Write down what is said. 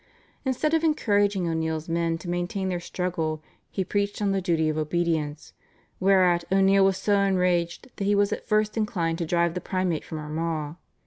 Instead of encouraging O'Neill's men to maintain their struggle he preached on the duty of obedience, whereat O'Neill was so enraged that he was at first inclined to drive the Primate from Armagh.